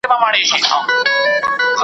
غوایي بار ته سي او خره وکړي ښکرونه .